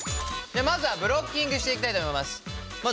まずはブロッキングしていきたいと思います。